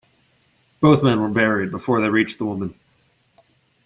Both men were buried before they reached the woman.